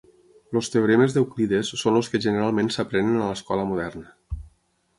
Els teoremes d'Euclides són els que generalment s'aprenen a l'escola moderna.